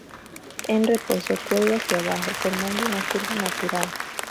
En reposo cuelga hacia abajo formando una curva natural.